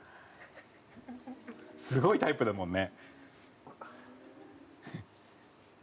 すごいタイプだもんね。